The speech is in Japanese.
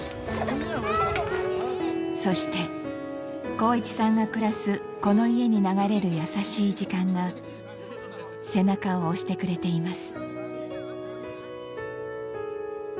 そして航一さんが暮らすこの家に流れる優しい時間が背中を押してくれています。